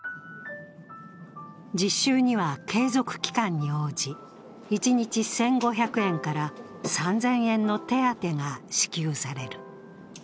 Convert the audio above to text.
実習には継続期間に応じ一日１５００円から３０００円の手当が支給される。